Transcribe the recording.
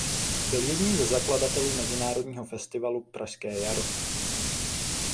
Byl jedním ze zakladatelů mezinárodního festivalu Pražské jaro.